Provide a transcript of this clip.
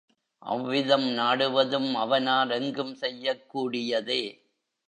அவ்விதம் நாடுவதும் அவனால் எங்கும் செய்யக் கூடியதே.